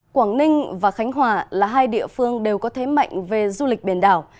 quảng ninh và khánh hòa là hai địa phương đều có thế mạnh về du lịch biển đảo